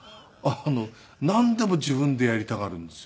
なんでも自分でやりたがるんですよ。